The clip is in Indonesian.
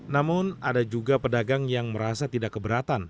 namun ada juga pedagang yang merasa tidak keberatan